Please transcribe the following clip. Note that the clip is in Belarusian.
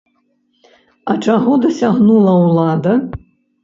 А чаго дасягнула ўлада?